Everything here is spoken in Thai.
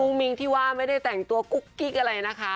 มิ้งที่ว่าไม่ได้แต่งตัวกุ๊กกิ๊กอะไรนะคะ